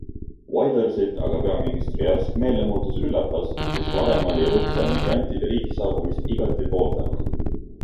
Wildersit aga peaministri järsk meelemuutus üllatas, sest varem oli Rutte migrantide riiki saabumist igati pooldanud.